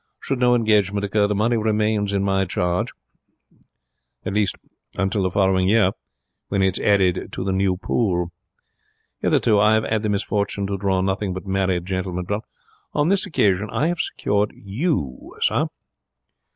Should no engagement occur, the money remains in my charge until the following year, when it is added to the new pool. Hitherto I have 'ad the misfortune to draw nothing but married gentlemen, but on this occasion I have secured you, sir.